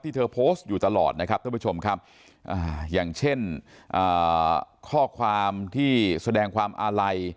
เธอโพสต์อยู่ตลอดนะครับท่านผู้ชมครับอย่างเช่นข้อความที่แสดงความอาลัย